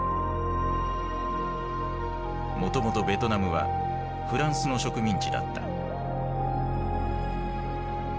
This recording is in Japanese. もともとベトナムはフランスの植民地だった。